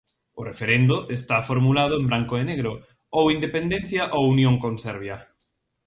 O referendo está formulado en branco e negro: ou independencia ou unión con Serbia.